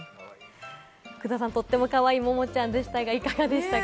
福田さん、とってもかわいいモモちゃんでしたが、いかがでしたか？